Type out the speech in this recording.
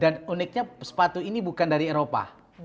dan uniknya sepatu ini bukan dari eropa